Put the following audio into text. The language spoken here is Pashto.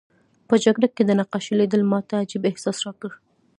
په جګړه کې د نقاشۍ لیدل ماته عجیب احساس راکړ